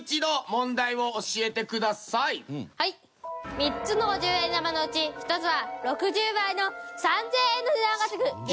３つの５０円玉のうち１つは６０倍の３０００円の値段がつく激